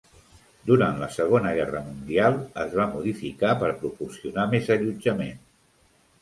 Durant la Segona Guerra Mundial es va modificar per proporcionar més allotjament.